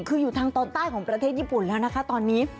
คืออยู่ทางตอนใต้ของประเทศญี่ปุ่นแล้วนะคะตอนนี้